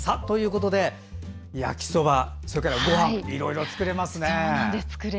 焼きそば、それからごはんいろいろ作れますね。